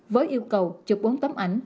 với yêu cầu chụp bốn tấm ảnh